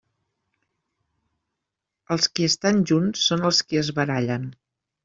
Els qui estan junts són els qui es barallen.